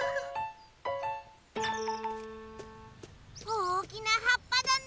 おおきなはっぱだね。